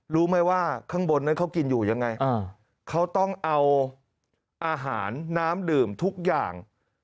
รู้ไหมว่าข้างบนนั้นเขากินอยู่ยังไงเขาต้องเอาอาหารน้ำดื่มทุกอย่าง